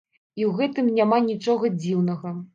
І ў гэтым няма нічога дзіўнага.